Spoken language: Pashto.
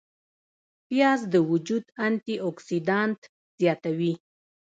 پیاز د وجود انتي اوکسیدانت زیاتوي